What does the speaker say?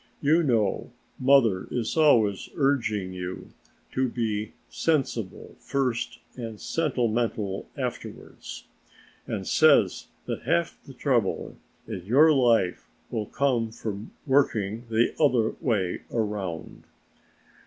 "You know mother is always urging you to be sensible first and sentimental afterwards, and says that half the trouble in your life will come from working the other way round.